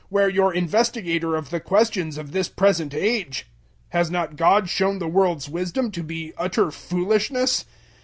Where your investigator of the questions of this present age? Has not God shown the world's wisdom to be utter foolishness?